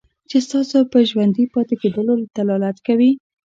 چې ستاسو په ژوندي پاتې کېدلو دلالت کوي.